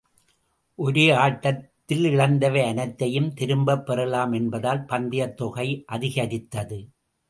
ஒரே ஆட்டத்தில் இழந்தவை அனைத்தையும் திரும்பப்பெறலாம் என்பதால் பந்தயத் தொகை அதிகரித்தது.